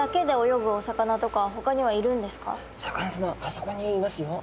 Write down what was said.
そこにいますよ。